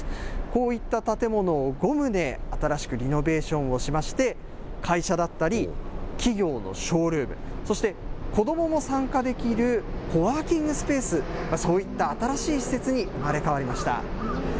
こういった建物を５棟、新しくリノベーションしまして、会社だったり、企業のショールーム、そして子どもも参加できるコワーキングスペース、そういった新しい施設に生まれ変わりました。